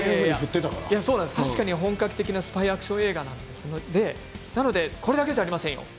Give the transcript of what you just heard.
確かに本格的なスパイアクション映画でこれだけではありません。